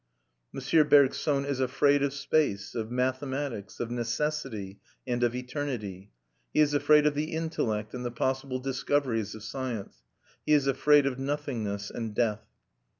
M. Bergson is afraid of space, of mathematics, of necessity, and of eternity; he is afraid of the intellect and the possible discoveries of science; he is afraid of nothingness and death.